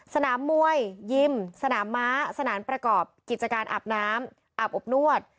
สนามมวยยิมสนามม้าสนามประกอบกิจการอาบน้ำอาบอบนวด